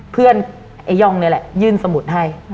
เพื่อนไอ้ยองเนี่ยแหละยื่นสมุดให้